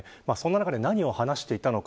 そんな中で、何を話していたのか